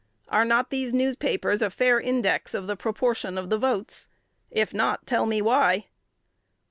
Are not these newspapers a fair index of the proportion of the votes? If not, tell me why.